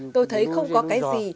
tôi thấy không có cái gì